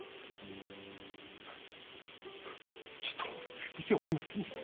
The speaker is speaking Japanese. ふぅちっとも見ておりませんでした。